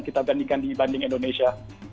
kita bandingkan di banding indonesia